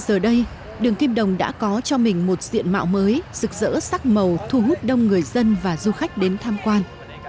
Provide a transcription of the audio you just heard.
giờ đây đường kim đồng đã có cho mình một diện mạo mới rực rỡ sắc màu thu hút đông người dân và du khách đến tham quan